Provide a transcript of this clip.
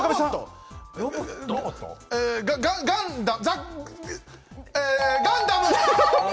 え、ガンダム！